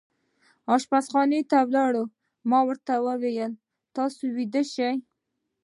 اشپزخانې ته ولاړ، ما ورته وویل: تاسې ویده شئ.